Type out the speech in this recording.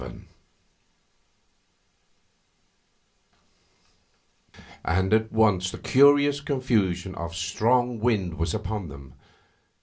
VII And at once the curious confusion of strong wind was upon them.